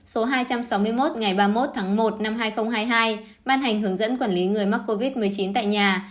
số hai trăm sáu mươi một ngày ba mươi một tháng một năm hai nghìn hai mươi hai ban hành hướng dẫn quản lý người mắc covid một mươi chín tại nhà